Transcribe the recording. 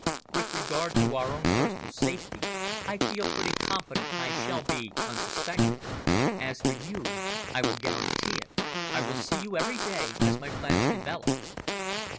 With regard to our own personal safety, I feel pretty confident I shall be unsuspected. As for you, I will guarantee it. I will see you every day, as my plans develop."